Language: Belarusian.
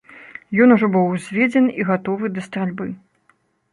Ён ужо быў узведзены і гатовы да стральбы.